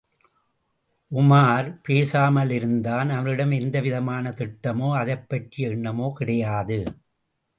உமார் பேசாமலிருந்தான் அவனிடம் எந்த விதமான திட்டமோ அதைப்பற்றிய எண்ணமோ கிடையாது.